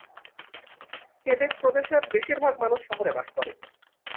Quebec প্রদেশের বেশিরভাগ মানুষ শহরে বাস করে।